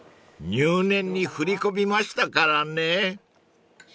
［入念に振り込みましたからね］